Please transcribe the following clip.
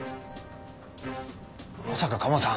まさかカモさん。